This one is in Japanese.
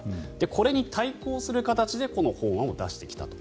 これに対抗する形でこの法案を出してきたと。